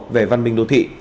về văn minh đô thị